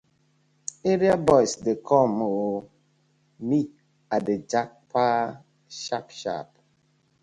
Area boys dey com ooo, me I dey jappa sharp sharp.